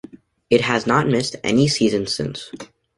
It has not missed any seasons since.